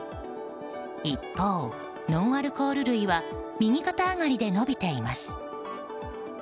一方、ノンアルコール類は右肩上がりで伸びています。